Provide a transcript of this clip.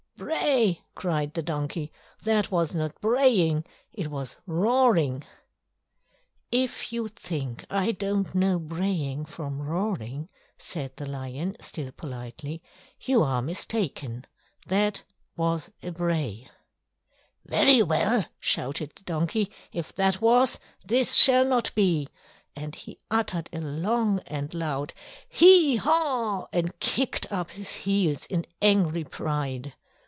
"Bray!" cried the donkey. "That was not braying—it was roaring!" "If you think I don't know braying from roaring," said the lion, still politely, "you are mistaken. That was a bray." "Very well!" shouted the donkey. "If that was, this shall not be!" and he uttered a long and loud "Hee haw!" and kicked up his heels in angry pride.